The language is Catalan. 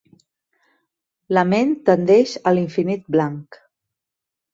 La ment tendeix a l'infinit blanc.